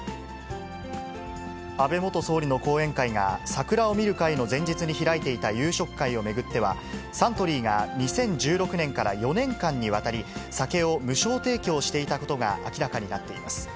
安倍元総理の後援会が桜を見る会の前日に開いていた夕食会を巡っては、サントリーが２０１６年から４年間にわたり、酒を無償提供していたことが明らかになっています。